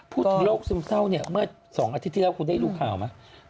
พูดถึงโรคซึมเศร้าเนี่ยเมื่อ๒อาทิตย์ที่แล้วคุณได้ดูข่าวไหม